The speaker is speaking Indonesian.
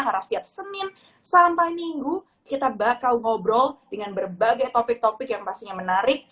karena setiap senin sampai minggu kita bakal ngobrol dengan berbagai topik topik yang pastinya menarik